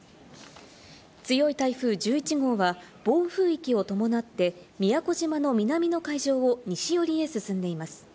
強い台風１１号は暴風域を伴って、宮古島の南の海上を西寄りへ進んでいます。